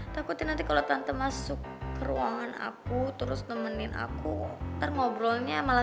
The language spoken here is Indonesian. takutin nanti kalau tante masuk ke ruangan aku terus nemenin aku ntar ngobrolnya malah